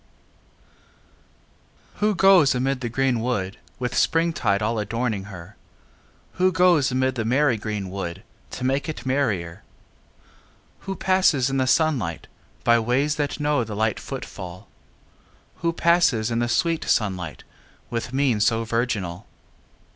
VIII Who goes amid the green wood With springtide all adorning her? Who goes amid the merry green wood To make it merrier? Who passes in the sunlight By ways that know the light footfall? Who passes in the sweet sunlight With mien so virginal?